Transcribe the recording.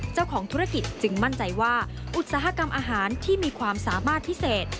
เจ้าของธุรกิจจึงมั่นใจว่าอุตสาหกรรมอาหารที่มีความสามารถพิเศษ